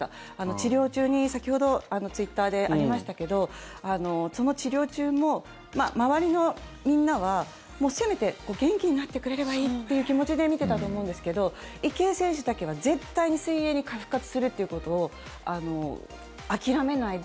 治療中に、先ほどツイッターでありましたけどその治療中も周りのみんなはせめて元気になってくれればいいという気持ちで見てたと思うんですけど池江選手だけは絶対に水泳に復活するということを諦めないで。